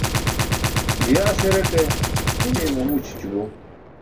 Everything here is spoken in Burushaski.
Giyaas heraṭe imiye mamu ićʰićubo.